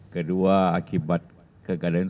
kedua akibat kegaduhan ini